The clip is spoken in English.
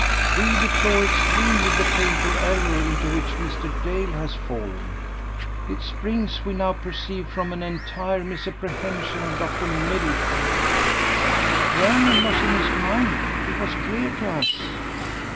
"We deplore extremely the painful error into which Mr. Dale has fallen." "It springs, we now perceive, from an entire misapprehension of Dr. Middleton." "Vernon was in his mind. It was clear to us."